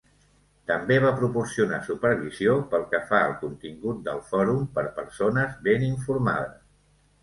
També va proporcionar supervisió pel que fa al contingut del fòrum per persones ben informades.